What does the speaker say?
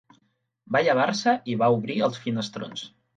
Va llevar-se, i va obrir els finestrons